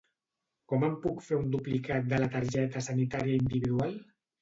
Com em puc fer un duplicat de la Targeta Sanitària Individual?